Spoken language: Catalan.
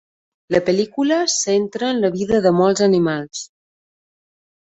La pel·lícula es centra en la vida de molts animals.